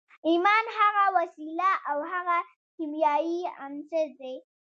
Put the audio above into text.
ایمان هغه وسیله او هغه کیمیاوي عنصر دی